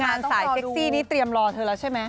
สายเซ็กซี่นี้เตรียมรอเธอแล้วใช่ไหม